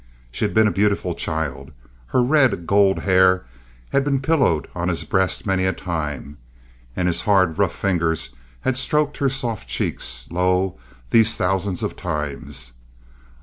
She had been a beautiful child—her red gold hair had been pillowed on his breast many a time, and his hard, rough fingers had stroked her soft cheeks, lo, these thousands of times.